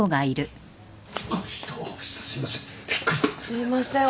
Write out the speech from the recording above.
すいません。